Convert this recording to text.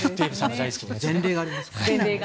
前例がありますから。